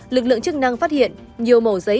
lực lượng chức năng phát hiện nhiều màu giấy